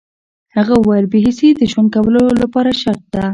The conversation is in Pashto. هغه وویل بې حسي د ژوند کولو لپاره شرط ده